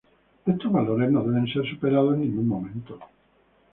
Estos valores no deben ser superados en ningún momento.